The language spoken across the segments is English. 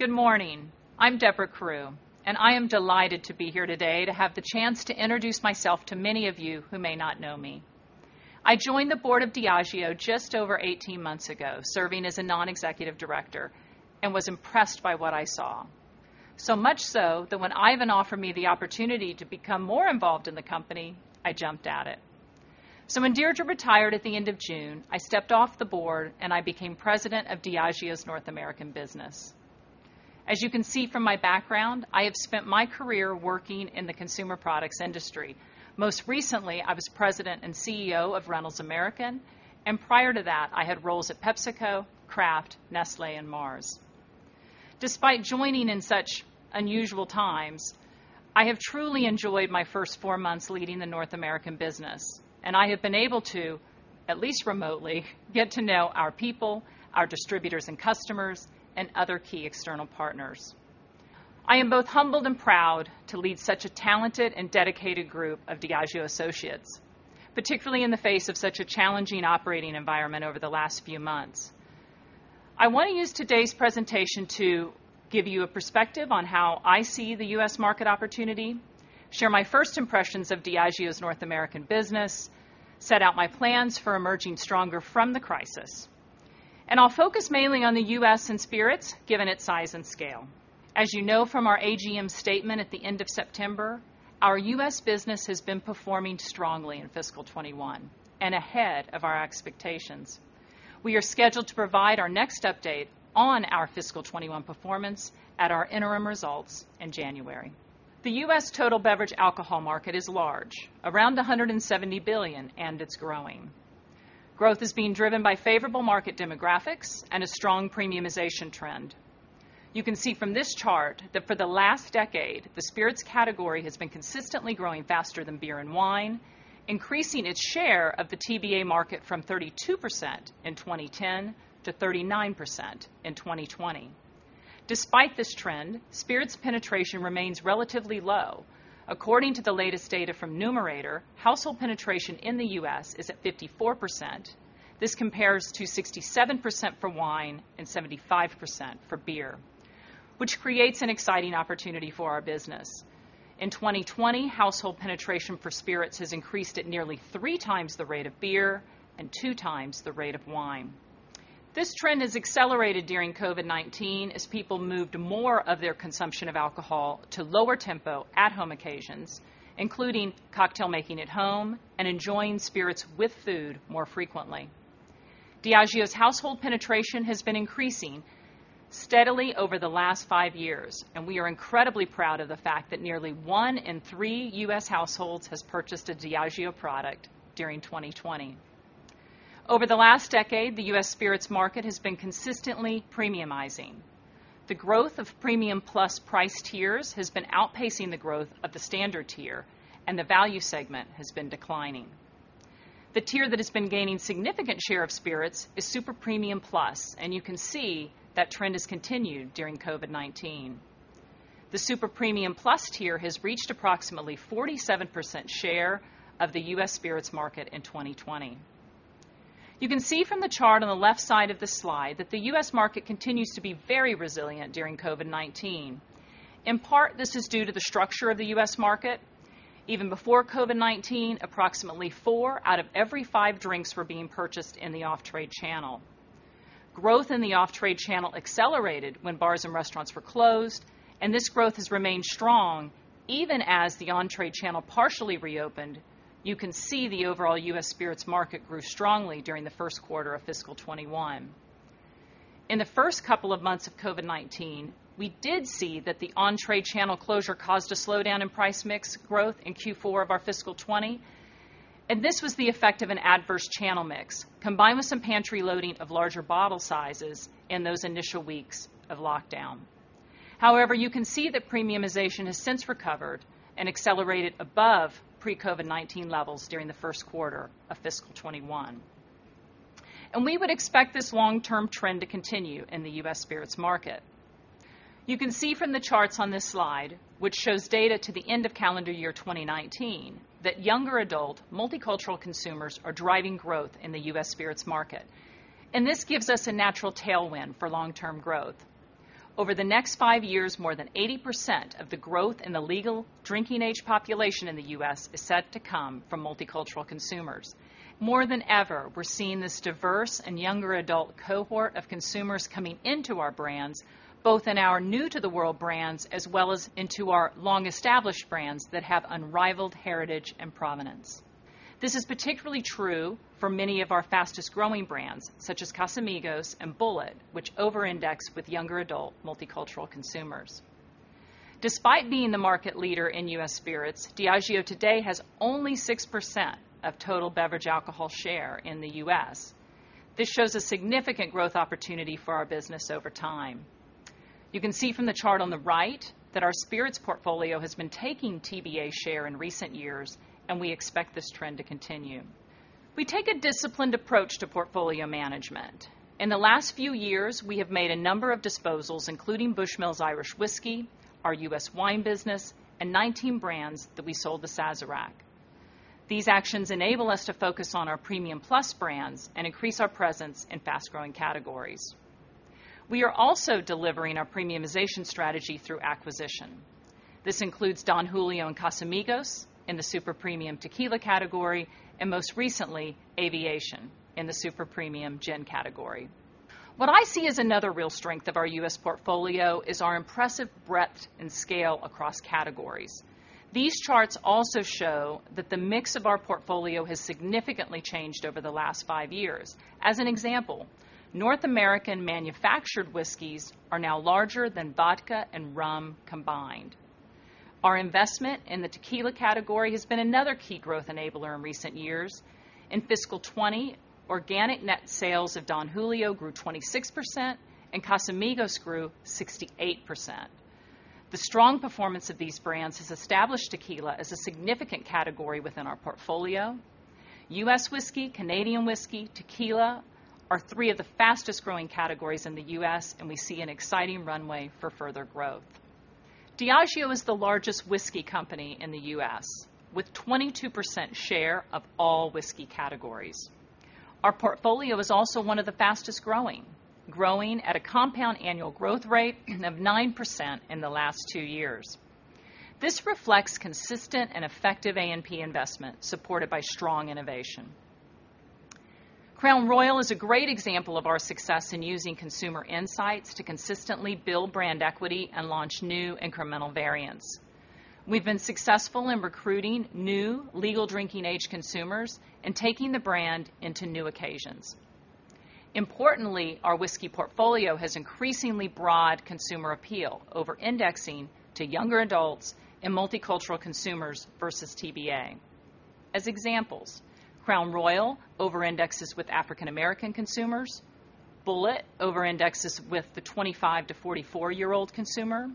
Good morning. I'm Debra Crew. I am delighted to be here today to have the chance to introduce myself to many of you who may not know me. I joined the board of Diageo just over 18 months ago, serving as a non-executive director. I was impressed by what I saw. Much so that when Ivan offered me the opportunity to become more involved in the company, I jumped at it. When Deirdre retired at the end of June, I stepped off the board. I became president of Diageo's North American business. As you can see from my background, I have spent my career working in the consumer products industry. Most recently, I was president and CEO of Reynolds American. Prior to that, I had roles at PepsiCo, Kraft, Nestlé, and Mars. Despite joining in such unusual times, I have truly enjoyed my first four months leading the North American business, and I have been able to, at least remotely, get to know our people, our distributors and customers, and other key external partners. I am both humbled and proud to lead such a talented and dedicated group of Diageo associates, particularly in the face of such a challenging operating environment over the last few months. I want to use today's presentation to give you a perspective on how I see the U.S. market opportunity, share my first impressions of Diageo's North American business, set out my plans for emerging stronger from the crisis, and I'll focus mainly on the U.S. and spirits, given its size and scale. As you know from our AGM statement at the end of September, our U.S. business has been performing strongly in fiscal 2021 and ahead of our expectations. We are scheduled to provide our next update on our fiscal 2021 performance at our interim results in January. The U.S. total beverage alcohol market is large, around 170 billion, and it's growing. Growth is being driven by favorable market demographics and a strong premiumization trend. You can see from this chart that for the last decade, the spirits category has been consistently growing faster than beer and wine, increasing its share of the TBA market from 32% in 2010 to 39% in 2020. Despite this trend, spirits penetration remains relatively low. According to the latest data from Numerator, household penetration in the U.S. is at 54%. This compares to 67% for wine and 75% for beer, which creates an exciting opportunity for our business. In 2020, household penetration for spirits has increased at nearly three times the rate of beer and two times the rate of wine. This trend has accelerated during COVID-19 as people moved more of their consumption of alcohol to lower tempo at-home occasions, including cocktail making at home and enjoying spirits with food more frequently. Diageo's household penetration has been increasing steadily over the last five years, and we are incredibly proud of the fact that nearly one in three U.S. households has purchased a Diageo product during 2020. Over the last decade, the U.S. spirits market has been consistently premiumizing. The growth of premium plus price tiers has been outpacing the growth of the standard tier, and the value segment has been declining. The tier that has been gaining significant share of spirits is super premium plus, and you can see that trend has continued during COVID-19. The super premium plus tier has reached approximately 47% share of the U.S. spirits market in 2020. You can see from the chart on the left side of the slide that the U.S. market continues to be very resilient during COVID-19. In part, this is due to the structure of the U.S. market. Even before COVID-19, approximately four out of every five drinks were being purchased in the off-trade channel. Growth in the off-trade channel accelerated when bars and restaurants were closed, and this growth has remained strong even as the on-trade channel partially reopened. You can see the overall U.S. spirits market grew strongly during the first quarter of fiscal 2021. In the first couple of months of COVID-19, we did see that the on-trade channel closure caused a slowdown in price mix growth in Q4 of our fiscal 2020. This was the effect of an adverse channel mix, combined with some pantry loading of larger bottle sizes in those initial weeks of lockdown. However, you can see that premiumization has since recovered and accelerated above pre-COVID-19 levels during the first quarter of fiscal 2021. We would expect this long-term trend to continue in the U.S. spirits market. You can see from the charts on this slide, which shows data to the end of calendar year 2019, that younger adult multicultural consumers are driving growth in the U.S. spirits market. This gives us a natural tailwind for long-term growth. Over the next five years, more than 80% of the growth in the legal drinking age population in the U.S. is set to come from multicultural consumers. More than ever, we're seeing this diverse and younger adult cohort of consumers coming into our brands, both in our new to the world brands, as well as into our long-established brands that have unrivaled heritage and provenance. This is particularly true for many of our fastest-growing brands, such as Casamigos and Bulleit, which over-index with younger adult multicultural consumers. Despite being the market leader in U.S. spirits, Diageo today has only 6% of total beverage alcohol share in the U.S. This shows a significant growth opportunity for our business over time. You can see from the chart on the right that our spirits portfolio has been taking TBA share in recent years. We expect this trend to continue. We take a disciplined approach to portfolio management. In the last few years, we have made a number of disposals, including Bushmills Irish Whiskey, our U.S. wine business, and 19 brands that we sold to Sazerac. These actions enable us to focus on our premium plus brands and increase our presence in fast-growing categories. We are also delivering our premiumization strategy through acquisition. This includes Don Julio and Casamigos in the super-premium tequila category, and most recently, Aviation in the super-premium gin category. What I see as another real strength of our U.S. portfolio is our impressive breadth and scale across categories. These charts also show that the mix of our portfolio has significantly changed over the last five years. As an example, North American manufactured whiskeys are now larger than vodka and rum combined. Our investment in the tequila category has been another key growth enabler in recent years. In fiscal 2020, organic net sales of Don Julio grew 26%, and Casamigos grew 68%. The strong performance of these brands has established tequila as a significant category within our portfolio. U.S. whiskey, Canadian whiskey, tequila are three of the fastest-growing categories in the U.S., and we see an exciting runway for further growth. Diageo is the largest whiskey company in the U.S., with 22% share of all whiskey categories. Our portfolio is also one of the fastest-growing, growing at a compound annual growth rate of 9% in the last two years. This reflects consistent and effective A&P investment supported by strong innovation. Crown Royal is a great example of our success in using consumer insights to consistently build brand equity and launch new incremental variants. We've been successful in recruiting new legal drinking age consumers and taking the brand into new occasions. Importantly, our whiskey portfolio has increasingly broad consumer appeal over-indexing to younger adults and multicultural consumers versus TBA. As examples, Crown Royal over-indexes with African American consumers. Bulleit over-indexes with the 25 to 44-year-old consumer.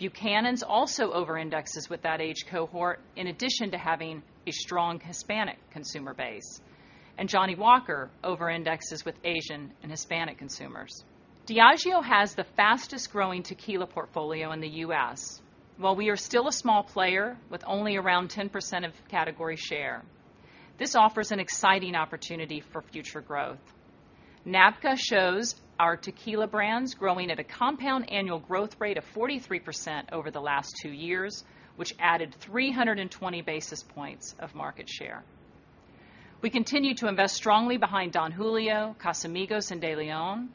Buchanan's also over-indexes with that age cohort, in addition to having a strong Hispanic consumer base. Johnnie Walker over-indexes with Asian and Hispanic consumers. Diageo has the fastest growing tequila portfolio in the U.S. While we are still a small player with only around 10% of category share, this offers an exciting opportunity for future growth. NABCA shows our tequila brands growing at a compound annual growth rate of 43% over the last two years, which added 320 basis points of market share. We continue to invest strongly behind Don Julio, Casamigos, and DeLeón,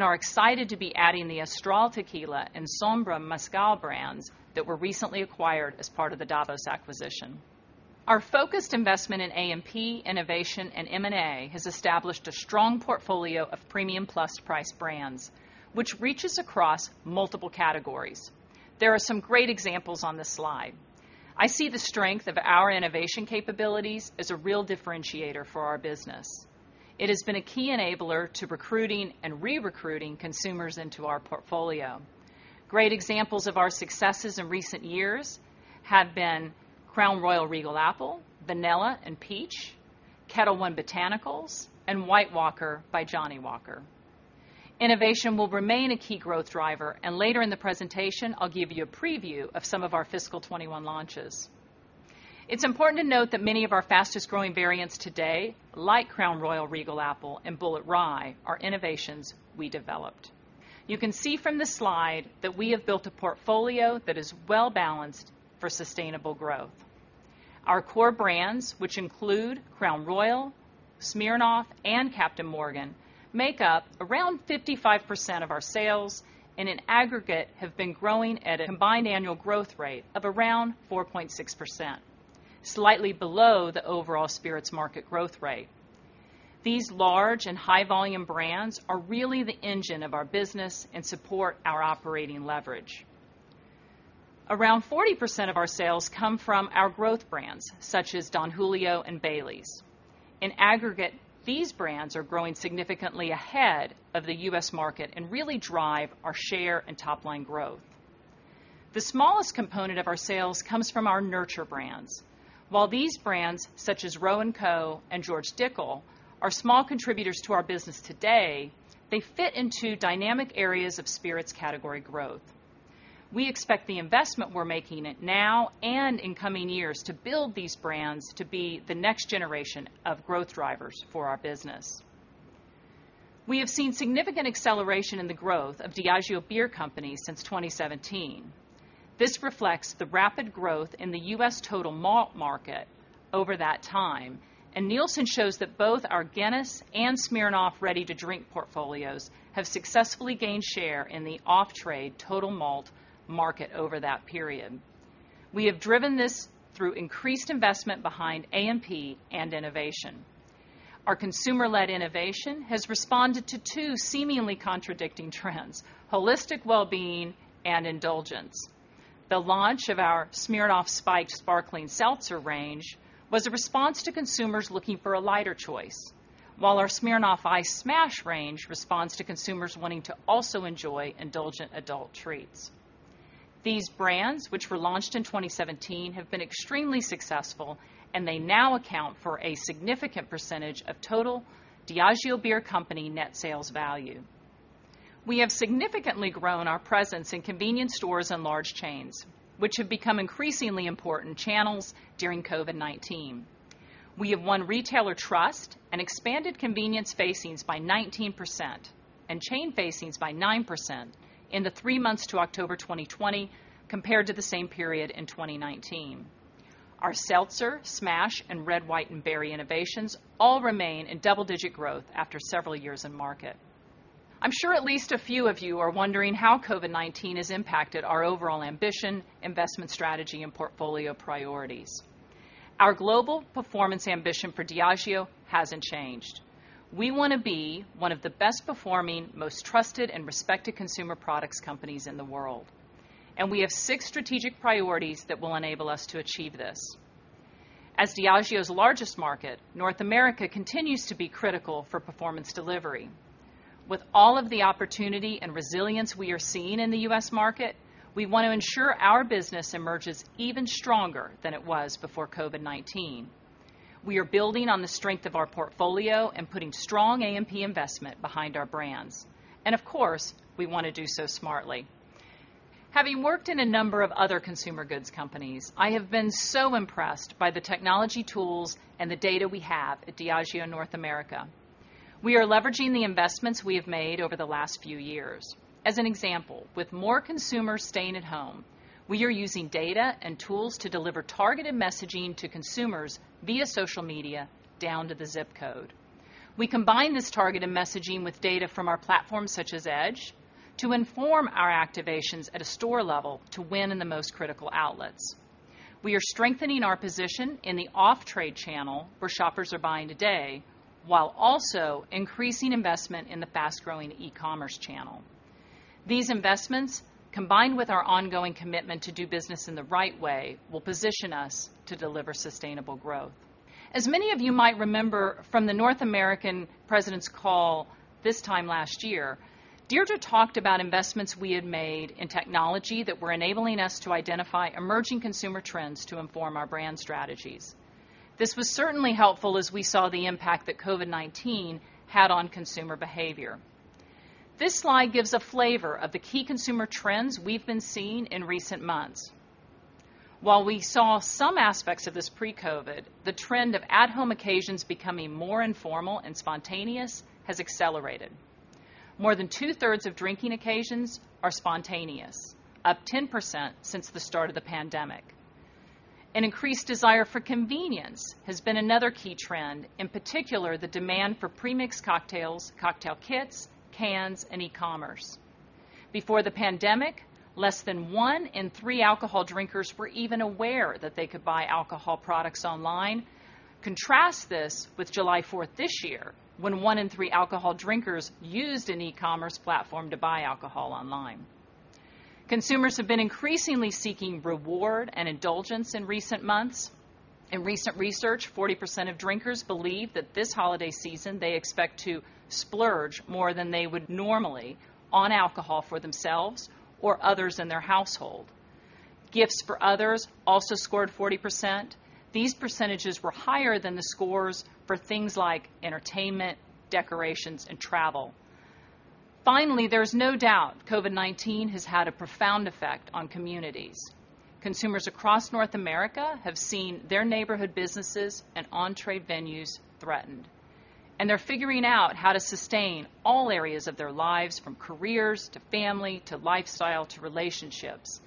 are excited to be adding the Astral Tequila and Sombra Mezcal brands that were recently acquired as part of the Davos acquisition. Our focused investment in A&P innovation and M&A has established a strong portfolio of premium plus price brands, which reaches across multiple categories. There are some great examples on this slide. I see the strength of our innovation capabilities as a real differentiator for our business. It has been a key enabler to recruiting and re-recruiting consumers into our portfolio. Great examples of our successes in recent years have been Crown Royal Regal Apple, Vanilla, and Peach, Ketel One Botanical, and White Walker by Johnnie Walker. Innovation will remain a key growth driver, later in the presentation, I'll give you a preview of some of our fiscal 2021 launches. It's important to note that many of our fastest-growing variants today, like Crown Royal Regal Apple and Bulleit Rye, are innovations we developed. You can see from this slide that we have built a portfolio that is well-balanced for sustainable growth. Our core brands, which include Crown Royal, Smirnoff, and Captain Morgan, make up around 55% of our sales, and in aggregate, have been growing at a combined annual growth rate of around 4.6%, slightly below the overall spirits market growth rate. These large and high-volume brands are really the engine of our business and support our operating leverage. Around 40% of our sales come from our growth brands, such as Don Julio and Baileys. In aggregate, these brands are growing significantly ahead of the U.S. market and really drive our share and top-line growth. The smallest component of our sales comes from our nurture brands. While these brands, such as Roe & Co and George Dickel, are small contributors to our business today, they fit into dynamic areas of spirits category growth. We expect the investment we're making now and in coming years to build these brands to be the next generation of growth drivers for our business. We have seen significant acceleration in the growth of Diageo Beer Company since 2017. This reflects the rapid growth in the U.S. total malt market over that time, and Nielsen shows that both our Guinness and Smirnoff ready-to-drink portfolios have successfully gained share in the off-trade total malt market over that period. We have driven this through increased investment behind A&P and innovation. Our consumer-led innovation has responded to two seemingly contradicting trends: holistic well-being and indulgence. The launch of our Smirnoff Spiked sparkling seltzer range was a response to consumers looking for a lighter choice. While our Smirnoff Ice Smash range responds to consumers wanting to also enjoy indulgent adult treats. These brands, which were launched in 2017, have been extremely successful, and they now account for a significant % of total Diageo Beer Company net sales value. We have significantly grown our presence in convenience stores and large chains, which have become increasingly important channels during COVID-19. We have won retailer trust and expanded convenience facings by 19% and chain facings by 9% in the three months to October 2020, compared to the same period in 2019. Our seltzer, Smash, and Red, White & Berry innovations all remain in double-digit growth after several years in market. I'm sure at least a few of you are wondering how COVID-19 has impacted our overall ambition, investment strategy, and portfolio priorities. Our global performance ambition for Diageo hasn't changed. We want to be one of the best performing, most trusted, and respected consumer products companies in the world, and we have six strategic priorities that will enable us to achieve this. As Diageo's largest market, North America continues to be critical for performance delivery. With all of the opportunity and resilience we are seeing in the U.S. market, we want to ensure our business emerges even stronger than it was before COVID-19. We are building on the strength of our portfolio and putting strong A&P investment behind our brands. Of course, we want to do so smartly. Having worked in a number of other consumer goods companies, I have been so impressed by the technology tools and the data we have at Diageo North America. We are leveraging the investments we have made over the last few years. As an example, with more consumers staying at home, we are using data and tools to deliver targeted messaging to consumers via social media, down to the zip code. We combine this targeted messaging with data from our platforms such as EDGE to inform our activations at a store level to win in the most critical outlets. We are strengthening our position in the off-trade channel where shoppers are buying today, while also increasing investment in the fast-growing e-commerce channel. These investments, combined with our ongoing commitment to do business in the right way, will position us to deliver sustainable growth. As many of you might remember from the North American president's call this time last year, Deirdre talked about investments we had made in technology that were enabling us to identify emerging consumer trends to inform our brand strategies. This was certainly helpful as we saw the impact that COVID-19 had on consumer behavior. This slide gives a flavor of the key consumer trends we've been seeing in recent months. While we saw some aspects of this pre-COVID, the trend of at-home occasions becoming more informal and spontaneous has accelerated. More than two-thirds of drinking occasions are spontaneous, up 10% since the start of the pandemic. An increased desire for convenience has been another key trend, in particular, the demand for pre-mixed cocktails, cocktail kits, cans, and e-commerce. Before the pandemic, less than one in three alcohol drinkers were even aware that they could buy alcohol products online. Contrast this with July 4th this year, when one in three alcohol drinkers used an e-commerce platform to buy alcohol online. Consumers have been increasingly seeking reward and indulgence in recent months. In recent research, 40% of drinkers believe that this holiday season, they expect to splurge more than they would normally on alcohol for themselves or others in their household. Gifts for others also scored 40%. These percentages were higher than the scores for things like entertainment, decorations, and travel. There is no doubt COVID-19 has had a profound effect on communities. Consumers across North America have seen their neighborhood businesses and on-trade venues threatened, and they're figuring out how to sustain all areas of their lives from careers, to family, to lifestyle, to relationships.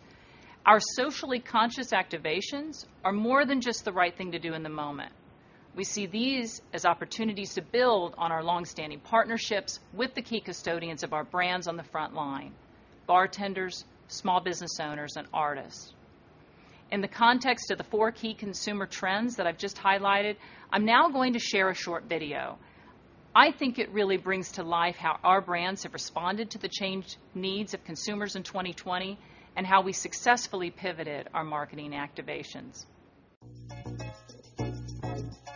Our socially conscious activations are more than just the right thing to do in the moment. We see these as opportunities to build on our longstanding partnerships with the key custodians of our brands on the front line, bartenders, small business owners, and artists. In the context of the four key consumer trends that I've just highlighted, I'm now going to share a short video. I think it really brings to life how our brands have responded to the changed needs of consumers in 2020 and how we successfully pivoted our marketing activations.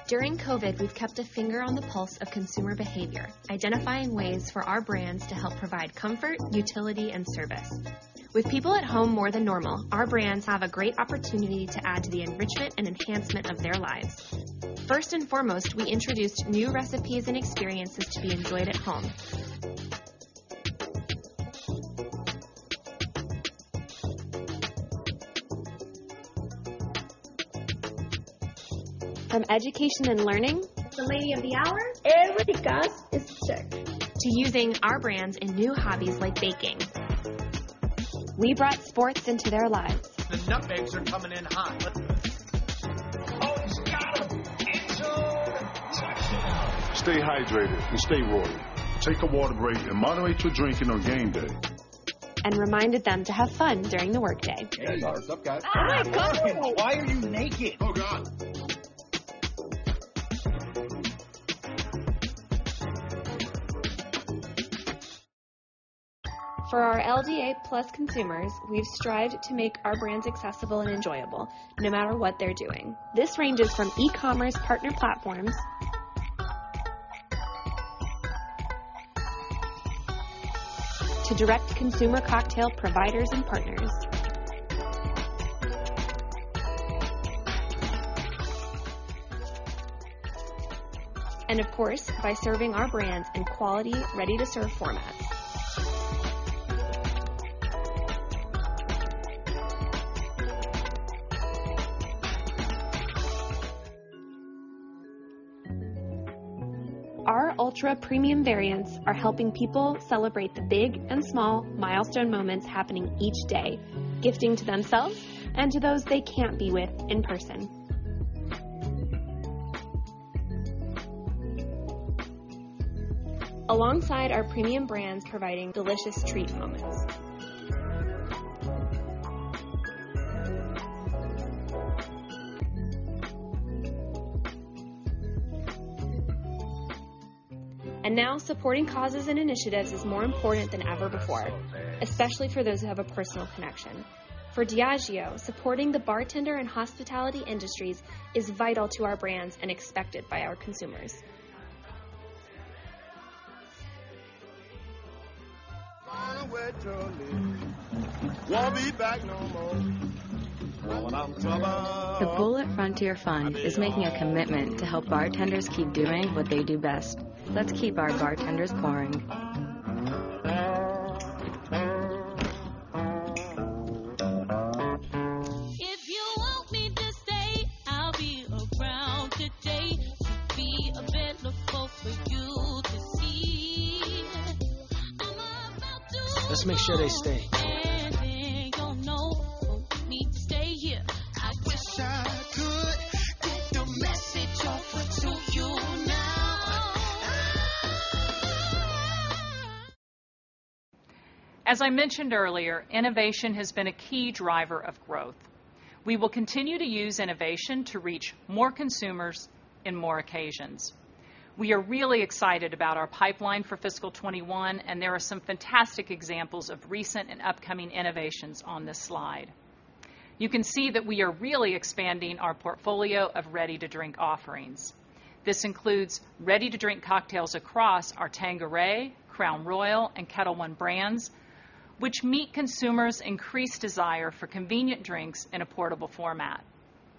During COVID, we've kept a finger on the pulse of consumer behavior, identifying ways for our brands to help provide comfort, utility, and service. With people at home more than normal, our brands have a great opportunity to add to the enrichment and enhancement of their lives. First and foremost, we introduced new recipes and experiences to be enjoyed at home. From education and learning. The lady of the hour. Everybody got is sick. to using our brands in new hobbies like baking. We brought sports into their lives. The nutmegs are coming in hot. Listen to this. Oh, he's got him. End zone. Touchdown. Stay hydrated and stay royal. Take a water break and moderate your drinking on game day. Reminded them to have fun during the workday. Hey. What's up, guys? Oh, it's cold. Why are you naked? Oh, God. For our LDA plus consumers, we've strived to make our brands accessible and enjoyable, no matter what they're doing. This ranges from e-commerce partner platforms to direct consumer cocktail providers and partners. Of course, by serving our brands in quality, ready-to-serve formats. Our ultra-premium variants are helping people celebrate the big and small milestone moments happening each day, gifting to themselves and to those they can't be with in person. Alongside our premium brands providing delicious treat moments. Now supporting causes and initiatives is more important than ever before, especially for those who have a personal connection. For Diageo, supporting the bartender and hospitality industries is vital to our brands and expected by our consumers. Find a way to leave. Won't be back no more. When I'm taller. The Bulleit Frontier Fund is making a commitment to help bartenders keep doing what they do best. Let's keep our bartenders pouring. If you want me to stay, I'll be around today to be available for you to see. I'm about to go. Let's make sure they stay. Then you'll know. Want me to stay here. I wish I could get the message over to you now. Oh. As I mentioned earlier, innovation has been a key driver of growth. We will continue to use innovation to reach more consumers in more occasions. We are really excited about our pipeline for fiscal 2021, and there are some fantastic examples of recent and upcoming innovations on this slide. You can see that we are really expanding our portfolio of ready-to-drink offerings. This includes ready-to-drink cocktails across our Tanqueray, Crown Royal, and Ketel One brands, which meet consumers' increased desire for convenient drinks in a portable format.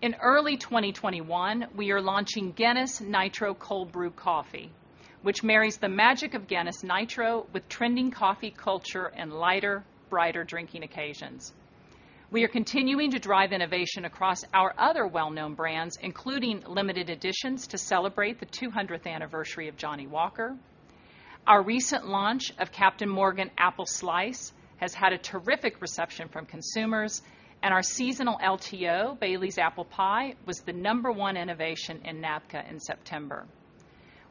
In early 2021, we are launching Guinness Nitro Cold Brew Coffee, which marries the magic of Guinness Nitro with trending coffee culture and lighter, brighter drinking occasions. We are continuing to drive innovation across our other well-known brands, including limited editions to celebrate the 200th anniversary of Johnnie Walker. Our recent launch of Captain Morgan Sliced Apple has had a terrific reception from consumers, and our seasonal LTO, Baileys Apple Pie, was the number one innovation in NABCA in September.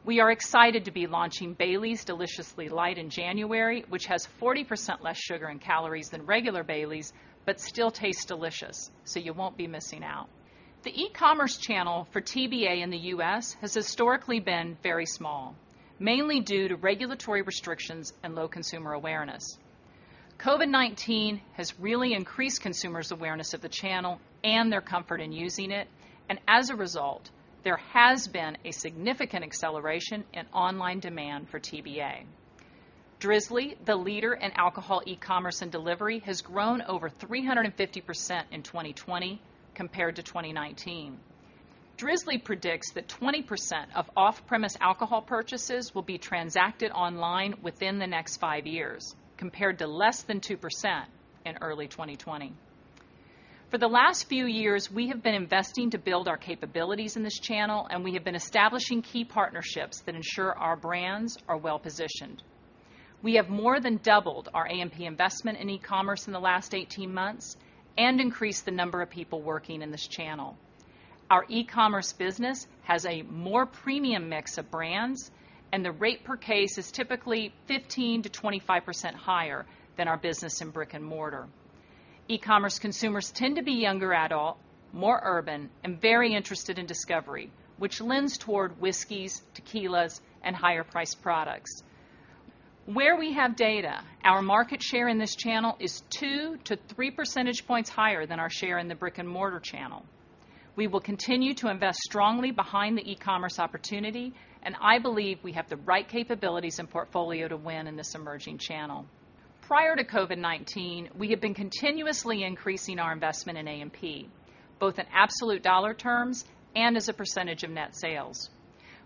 We are excited to be launching Baileys Deliciously Light in January, which has 40% less sugar and calories than regular Baileys but still tastes delicious, so you won't be missing out. The e-commerce channel for TBA in the U.S. has historically been very small, mainly due to regulatory restrictions and low consumer awareness. COVID-19 has really increased consumers' awareness of the channel and their comfort in using it, and as a result, there has been a significant acceleration in online demand for TBA. Drizly, the leader in alcohol e-commerce and delivery, has grown over 350% in 2020 compared to 2019. Drizly predicts that 20% of off-premise alcohol purchases will be transacted online within the next five years, compared to less than 2% in early 2020. For the last few years, we have been investing to build our capabilities in this channel, and we have been establishing key partnerships that ensure our brands are well-positioned. We have more than doubled our A&P investment in e-commerce in the last 18 months and increased the number of people working in this channel. Our e-commerce business has a more premium mix of brands, and the rate per case is typically 15%-25% higher than our business in brick and mortar. E-commerce consumers tend to be younger adult, more urban, and very interested in discovery, which lends toward whiskeys, tequilas, and higher-priced products. Where we have data, our market share in this channel is 2 to 3 percentage points higher than our share in the brick-and-mortar channel. We will continue to invest strongly behind the e-commerce opportunity, and I believe we have the right capabilities and portfolio to win in this emerging channel. Prior to COVID-19, we have been continuously increasing our investment in A&P, both in absolute dollar terms and as a percentage of net sales.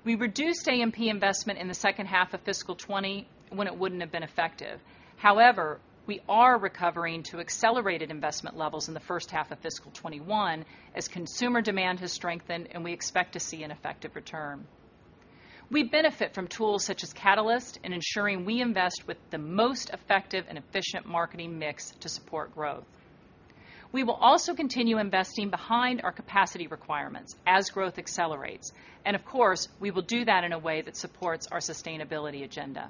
We reduced A&P investment in the second half of fiscal 2020 when it wouldn't have been effective. However, we are recovering to accelerated investment levels in the first half of fiscal 2021 as consumer demand has strengthened and we expect to see an effective return. We benefit from tools such as Catalyst in ensuring we invest with the most effective and efficient marketing mix to support growth. We will also continue investing behind our capacity requirements as growth accelerates, and of course, we will do that in a way that supports our sustainability agenda.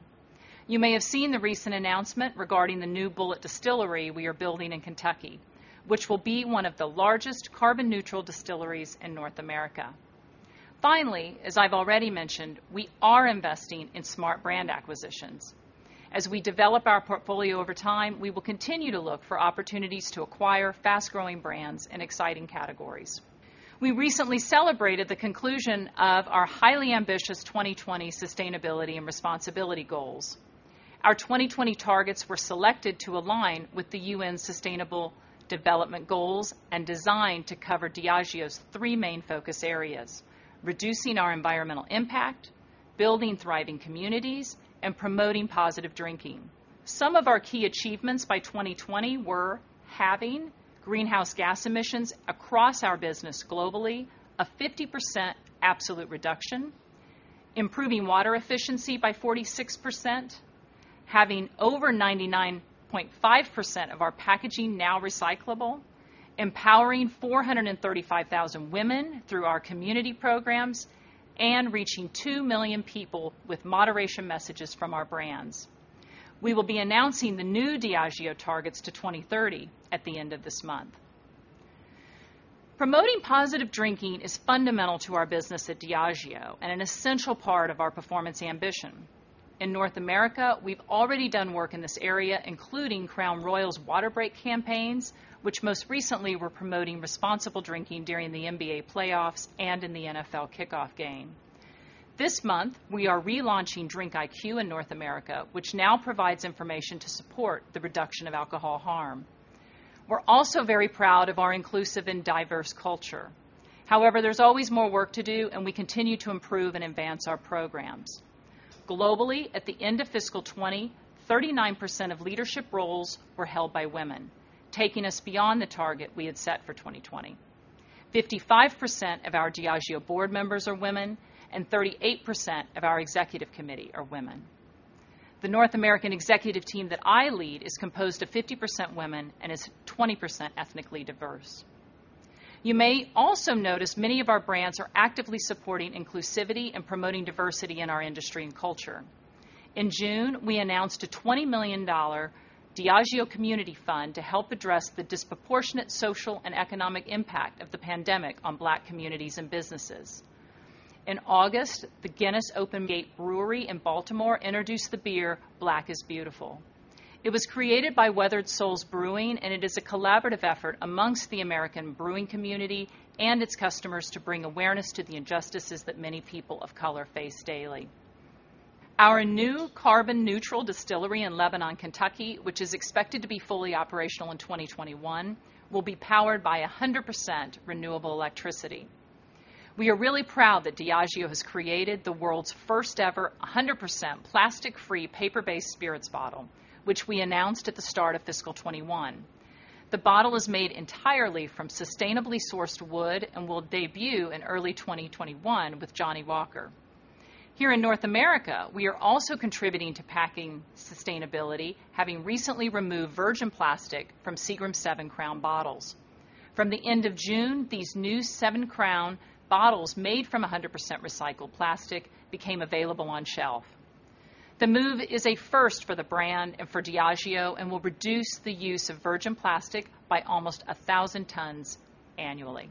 You may have seen the recent announcement regarding the new Bulleit distillery we are building in Kentucky, which will be one of the largest carbon-neutral distilleries in North America. Finally, as I've already mentioned, we are investing in smart brand acquisitions. As we develop our portfolio over time, we will continue to look for opportunities to acquire fast-growing brands in exciting categories. We recently celebrated the conclusion of our highly ambitious 2020 sustainability and responsibility goals. Our 2020 targets were selected to align with the UN Sustainable Development Goals and designed to cover Diageo's three main focus areas: reducing our environmental impact, building thriving communities, and promoting positive drinking. Some of our key achievements by 2020 were halving greenhouse gas emissions across our business globally, a 50% absolute reduction, improving water efficiency by 46%, having over 99.5% of our packaging now recyclable, empowering 435,000 women through our community programs, and reaching 2 million people with moderation messages from our brands. We will be announcing the new Diageo targets to 2030 at the end of this month. Promoting positive drinking is fundamental to our business at Diageo and an essential part of our performance ambition. In North America, we've already done work in this area, including Crown Royal's water break campaigns, which most recently were promoting responsible drinking during the NBA playoffs and in the NFL kickoff game. This month, we are relaunching DRINKiQ in North America, which now provides information to support the reduction of alcohol harm. We're also very proud of our inclusive and diverse culture. However, there's always more work to do, and we continue to improve and advance our programs. Globally, at the end of fiscal 2020, 39% of leadership roles were held by women, taking us beyond the target we had set for 2020. 55% of our Diageo board members are women, and 38% of our executive committee are women. The North American executive team that I lead is composed of 50% women and is 20% ethnically diverse. You may also notice many of our brands are actively supporting inclusivity and promoting diversity in our industry and culture. In June, we announced a $20 million Diageo community fund to help address the disproportionate social and economic impact of the pandemic on Black communities and businesses. In August, the Guinness Open Gate Brewery in Baltimore introduced the beer Black is Beautiful. It was created by Weathered Souls Brewing Co., and it is a collaborative effort amongst the American brewing community and its customers to bring awareness to the injustices that many people of color face daily. Our new carbon neutral distillery in Lebanon, Kentucky, which is expected to be fully operational in 2021, will be powered by 100% renewable electricity. We are really proud that Diageo has created the world's first ever 100% plastic-free paper-based spirits bottle, which we announced at the start of fiscal 2021. The bottle is made entirely from sustainably sourced wood and will debut in early 2021 with Johnnie Walker. Here in North America, we are also contributing to packing sustainability, having recently removed virgin plastic from Seagram's Seven Crown bottles. From the end of June, these new Seven Crown bottles made from 100% recycled plastic became available on shelf. The move is a first for the brand and for Diageo and will reduce the use of virgin plastic by almost 1,000 tons annually.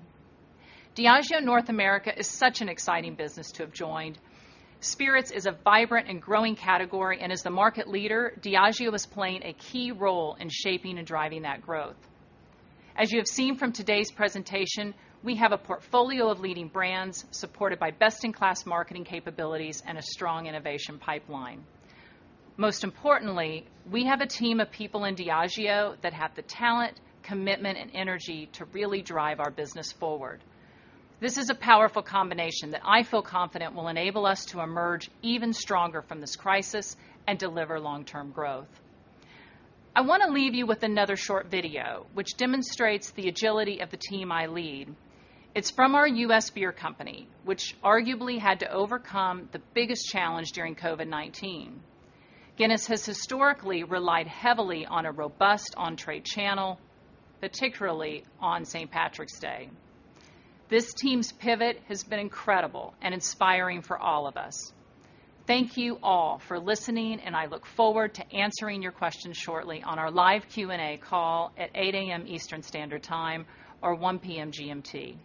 Diageo North America is such an exciting business to have joined. Spirits is a vibrant and growing category, and as the market leader, Diageo is playing a key role in shaping and driving that growth. As you have seen from today's presentation, we have a portfolio of leading brands supported by best-in-class marketing capabilities and a strong innovation pipeline. Most importantly, we have a team of people in Diageo that have the talent, commitment, and energy to really drive our business forward. This is a powerful combination that I feel confident will enable us to emerge even stronger from this crisis and deliver long-term growth. I want to leave you with another short video which demonstrates the agility of the team I lead. It's from our U.S. beer company, which arguably had to overcome the biggest challenge during COVID-19. Guinness has historically relied heavily on a robust on-trade channel, particularly on St. Patrick's Day. This team's pivot has been incredible and inspiring for all of us. Thank you all for listening, and I look forward to answering your questions shortly on our live Q&A call at 8:00 AM Eastern Standard Time or 1:00 PM GMT.